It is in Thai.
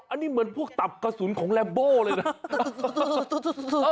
อันนี้เหมือนพวกตับกระสุนของแรมโบเลยนะ